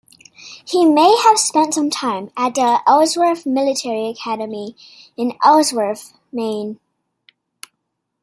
He may have spent some time at the Ellsworth Military Academy in Ellsworth, Maine.